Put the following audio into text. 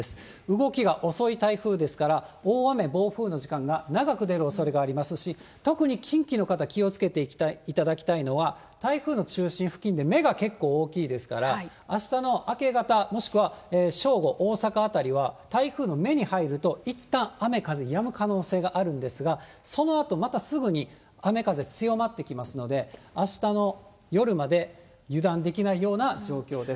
動きが遅い台風ですから、大雨、暴風の時間が長く出るおそれもありますし、特に近畿の方、気をつけていただきたいのは、台風の中心付近で目が結構大きいですから、あしたの明け方、もしくは正午、大阪辺りは台風の目に入ると、いったん、雨、風、やむ可能性があるんですが、そのあとまたすぐに雨風強まってきますので、あしたの夜まで油断できないような状況です。